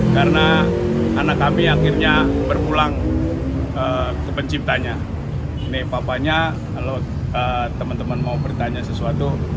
karena anak kami akhirnya berpulang ke penciptanya ini papanya halo teman teman mau bertanya sesuatu